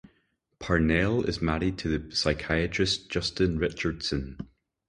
Parnell is married to the psychiatrist Justin Richardson.